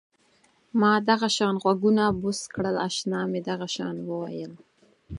ما دغه شان غوږونه بوڅ کړل اشنا مې دغه شان وویل.